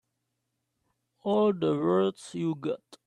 All the words you've got.